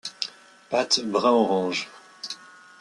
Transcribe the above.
Pattes brun-orange.